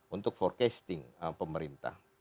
untuk forecasting pemerintah